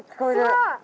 すごい！